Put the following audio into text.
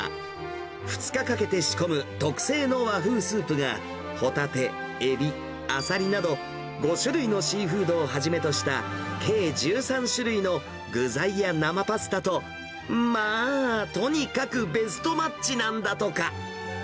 ２日かけて仕込む特製の和風スープが、ホタテ、エビ、アサリなど、５種類のシーフードをはじめとした計１３種類の具材や生パスタと、まあとにかくベストマッチなんだとか。